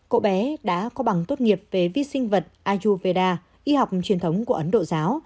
cậu bé đã có bằng tốt nghiệp về vi sinh vật ajuveda y học truyền thống của ấn độ giáo